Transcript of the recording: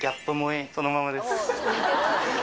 そのままです。